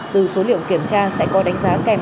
từ số liệu kiểm tra sẽ có đánh giá kèm